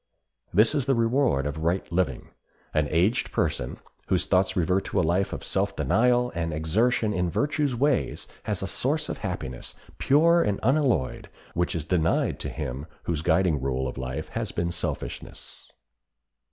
This is the reward of right living. An aged person whose thoughts revert to a life of self denial and exertion in virtue's ways has a source of happiness, pure and unalloyed, which is denied to him whose guiding rule of life has been selfishness.